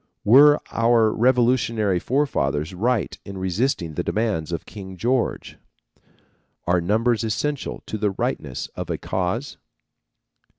Were our revolutionary forefathers right in resisting the demands of King George? Are numbers essential to the rightness of a cause?